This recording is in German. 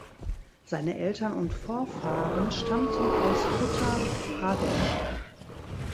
Seine Eltern und Vorfahren stammten aus Uttar Pradesh.